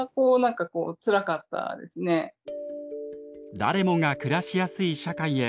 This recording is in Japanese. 誰もが暮らしやすい社会へ。